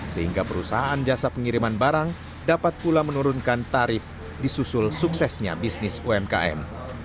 sehingga perusahaan jasa pengiriman barang dapat pula menurunkan tarif disusul suksesnya bisnis umkm